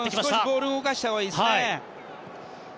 ボールを動かしたほうがいいですね。